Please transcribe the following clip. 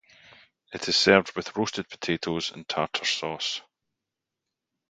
It is served with roasted potatoes and tartar sauce.